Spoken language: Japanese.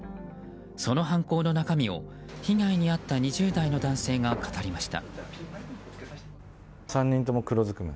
その犯行の中身を被害に遭った２０代の男性が語りました。